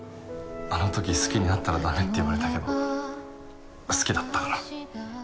あの時好きになったら駄目って言われたけど好きだったから。